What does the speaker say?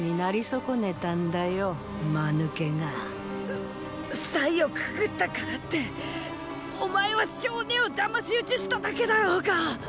さ祭をくぐったからってお前は象姉をだまし討ちしただけだろうが！